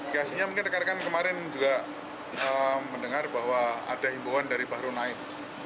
kasusnya mungkin rekan rekan kemarin juga mendengar bahwa ada himbauan dari bahru naib